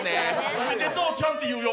おめでとうちゃんって言うよ。